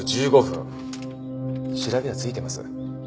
調べはついてます。